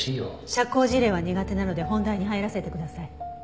社交辞令は苦手なので本題に入らせてください。